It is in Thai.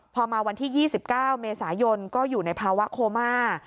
พอมาวันที่๒๙เมษายนก็อยู่ในภาวะโคม่า